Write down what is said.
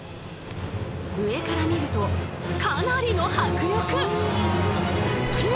上から見るとかなりの迫力！